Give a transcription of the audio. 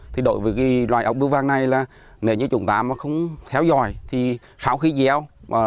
thì đối với cái loài ốc bưu vàng này là nếu như chúng ta mà không theo dõi thì sau khi gieo